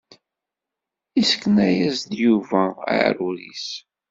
Isekna-yas-d Yuba aɛrur-is.